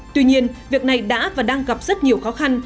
tuy nhiên việc này đã và đang gặp rất nhiều khó khăn